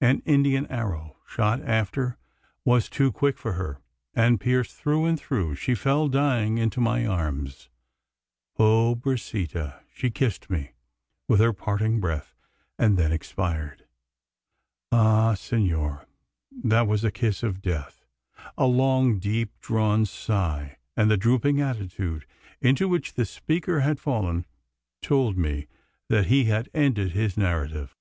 An Indian arrow shot after was too quick for her; and, pierced through and through, she fell dying into my arms. Pobrecita! She kissed me with her parting breath, and then expired. Ah! senor, that was a kiss of death!" A long deep drawn sigh, and the drooping attitude into which the speaker had fallen, told me that he had ended his narrative.